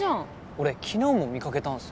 俺昨日も見かけたんすよ。